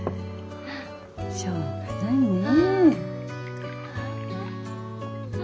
しょうがないねえ。